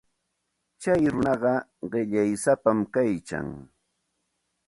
Tsay runaqa qillaysapam kaykan.